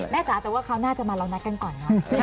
แม่จานแต่ว่าคราวหน้าจะมาเรานัดกันก่อน